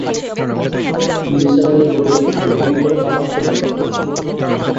নিসার আলি বললেন, এমন করে তাকাচ্ছ কেন?